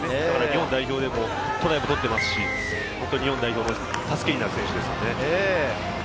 日本代表でトライを取っていますし、助けになる選手です。